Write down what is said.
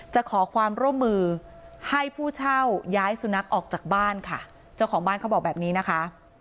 จะขอความร่วมมือให้ผู้เช่าย้ายสุนัขออกจากบ้านค่ะเจ้าของบ้านเขาบอกแบบนี้นะคะ